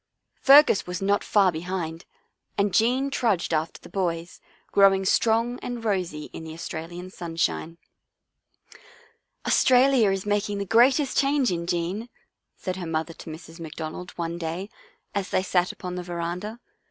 Fergus was not far 40 Our Little Australian Cousin behind, and Jean trudged after the boys, grow ing strong and rosy in the Australian sunshine. " Australia is making the greatest change in Jean," said her mother to Mrs. McDonald one day, as they sat upon the veranda.